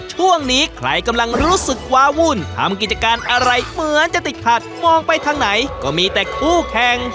จัดการอะไรเหมือนจะติดขัดมองไปทางไหนก็มีแต่คู่แข่ง